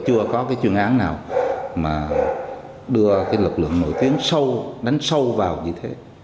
chưa có cái chuyên án nào mà đưa cái lực lượng nội tuyến sâu đánh sâu vào như thế